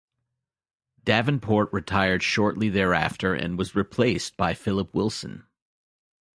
Davenport retired shortly thereafter and was replaced by Phillip Wilson.